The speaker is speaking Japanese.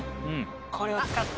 これを使って。